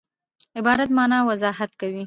عبارت د مانا وضاحت کوي.